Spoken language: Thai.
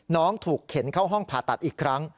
น้องถูกเข็นเข้าห้องผ่าตัดอีกครั้ง